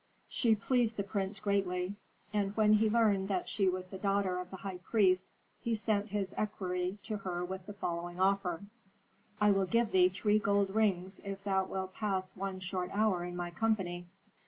"She pleased the prince greatly, and when he learned that she was the daughter of the high priest, he sent his equerry to her with the following offer, "'I will give thee gold rings if thou wilt pass one short hour in my company.'